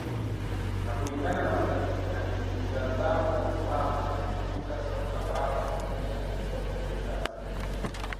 na kulingana na mtizamo wako unafikiri sasa utawala wa kijeshi uliopo hivi sasa